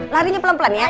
larinya pelan pelan ya